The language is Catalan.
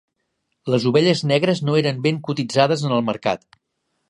Les ovelles negres no eren ben cotitzades en el mercat.